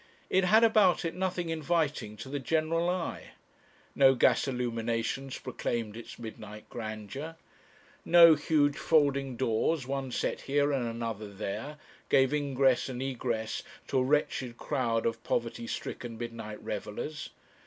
It had about it nothing inviting to the general eye. No gas illuminations proclaimed its midnight grandeur. No huge folding doors, one set here and another there, gave ingress and egress to a wretched crowd of poverty stricken midnight revellers.